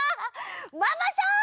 ママさん！